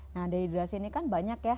nah dehidrasi ini kan banyak ya